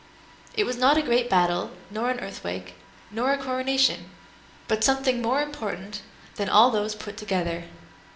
It was not a great battle, nor an earthquake, nor a coronation, but something more important than all those put together.